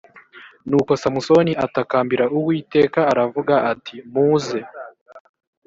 nuko samusoni atakambira uwiteka aravuga ati muze